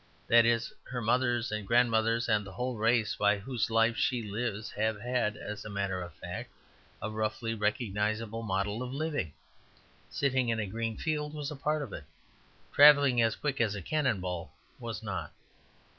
That is, her mothers and grandmothers, and the whole race by whose life she lives, have had, as a matter of fact, a roughly recognizable mode of living; sitting in a green field was a part of it; travelling as quick as a cannon ball was not.